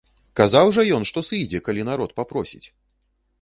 Казаў жа ён, што сыдзе, калі народ папросіць?